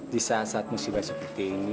di saat saat musibah seperti ini